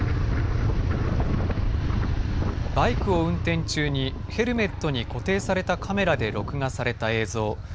バイクを運転中にヘルメットに固定されたカメラで録画された映像。